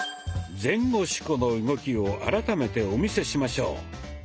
「前後四股」の動きを改めてお見せしましょう。